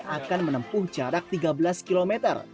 akan menempuh jarak tiga belas km